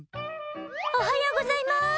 おはようございます。